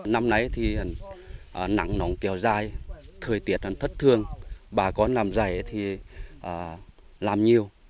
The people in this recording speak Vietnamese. năm nay thì nắng nóng kéo dài thời tiết thất thương bà con làm giải thì làm nhiều